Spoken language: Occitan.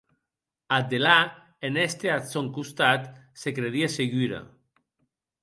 Ath delà, en èster ath sòn costat, se credie segura.